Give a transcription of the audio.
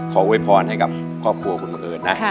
โวยพรให้กับครอบครัวคุณบังเอิญนะ